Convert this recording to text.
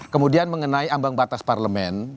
kemudian mengenai ambang batas parlemen